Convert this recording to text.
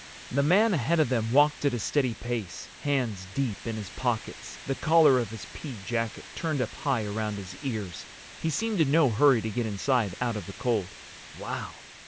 The man ahead of them walked at a steady pace, hands deep in his pockets, the collar of his pea jacket turned up high around his ears. He seemed in no hurry to get inside out of the cold. "Wow!"